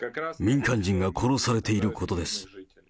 民間人が殺されていることです。